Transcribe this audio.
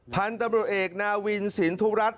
พันธุ์ตำรวจเอกนาวินสินทุรัตน